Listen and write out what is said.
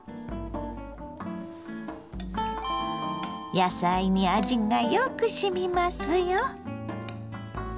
野菜に味がよくしみますよ。